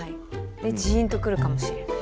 ジーンとくるかもしれない？